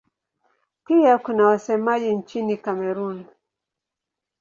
Pia kuna wasemaji nchini Kamerun.